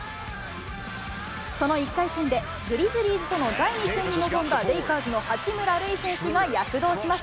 その１回戦で、グリズリーズとの第２戦に臨んだレイカーズの八村塁選手が躍動します。